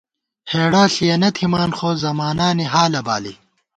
ہېڑہ ݪِیَنہ تھِمان، خو زمانانی حالہ بالی